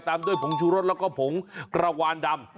ตามด้วยผงชูรสแล้วก็ผงกระวานดำ